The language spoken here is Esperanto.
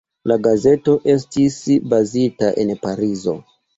La gazeto estis bazita en Parizo.